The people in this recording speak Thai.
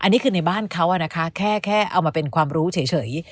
แต่บ้านเขาแค่เอามาเป็นความรู้เฉย